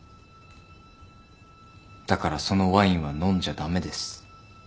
だからそのワインは飲んじゃ駄目です。